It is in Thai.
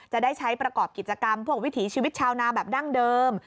จะได้ใช้ประกอบกิจกรรมพวกวิถีชีวิตชาวนาแบบดั้งเดิม